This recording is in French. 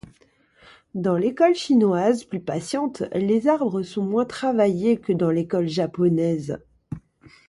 Dans l'école chinoise, plus patiente, les arbres sont moins travaillés que dans l'école japonaise.